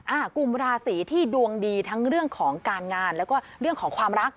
กลุ่มราศีที่ดวงดีทั้งเรื่องของการงานแล้วก็เรื่องของความรัก